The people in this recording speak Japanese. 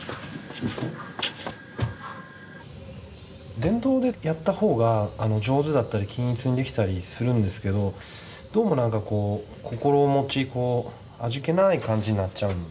電動でやった方が上手だったり均一にできたりするんですけどどうも何かこう心持ちこう味気ない感じになっちゃうんですよね。